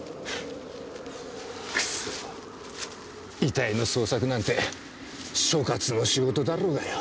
クソ遺体の捜索なんて所轄の仕事だろうがよ。